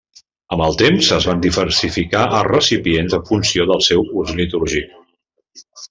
Amb el temps es van diversificar els recipients en funció del seu ús litúrgic.